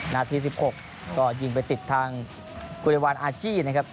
นาที๑๖ก็ยิงไปติดทางกุริวารอาจี้นะครับ